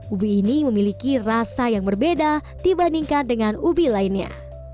ubi ini memiliki rasa yang berbeda dibandingkan dengan ubi lainnya